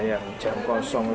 yang jam kosong